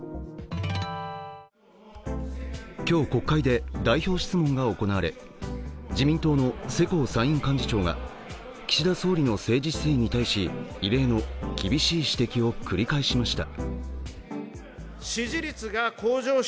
今日、国会で代表質問が行われ自民党の世耕参院幹事長が岸田総理の政治姿勢に対し異例の厳しい指摘を繰り返しました。